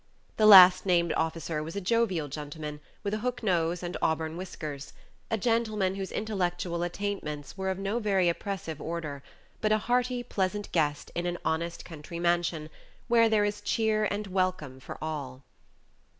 The last named officer was a jovial gentleman, with a hook nose and auburn whiskers; a gentleman whose intellectual attainments were of no very oppressive order, but a hearty, pleasant guest in an honest country mansion, where there is cheer and welcome for all.